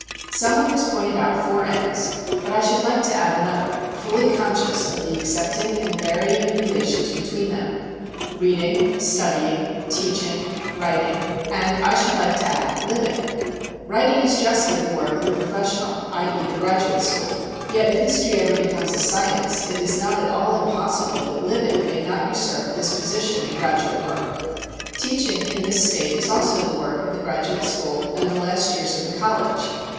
Someone has pointed out four ends, but I should like to add another, fully conscious of the excepting and varying relations between them: reading, studying, teaching, writing, and I should like to add living. Writing is justly the work of the professional, i. e., the graduate school; yet if history ever becomes a science it is not at all impossible that living may not usurp this position in graduate work. Teaching, in this state, is also the work of the graduate school and the last years of the college.